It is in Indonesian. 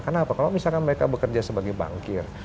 kenapa kalau misalkan mereka bekerja sebagai bankir